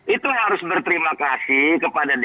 itu harus berterima kasih kepada dpr